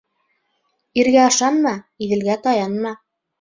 Иргә ышанма, Иҙелгә таянма.